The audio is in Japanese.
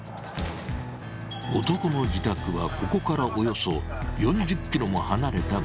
男の自宅はここからおよそ４０ｋｍも離れた場所。